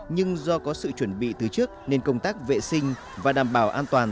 nhưng do có sự chuẩn bị từ trước nên công tác vệ sinh và đảm bảo an toàn